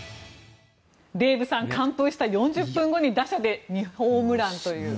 デーブさん完封した４０分後に打者で２ホームランという。